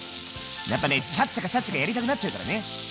やっぱねチャッチャカチャッチャカやりたくなっちゃうからね。